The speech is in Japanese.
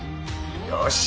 よし！